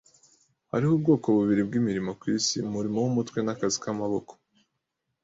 Hariho ubwoko bubiri bwimirimo kwisi - umurimo wumutwe nakazi kamaboko